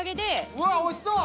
うわおいしそう！